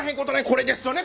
これですよね